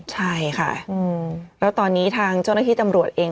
ใช่ค่ะแล้วตอนนี้ทางเจ้าหน้าที่ตำรวจเอง